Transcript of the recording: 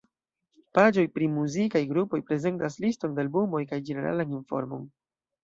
Paĝoj pri muzikaj grupoj prezentas liston de albumoj kaj ĝeneralan informon.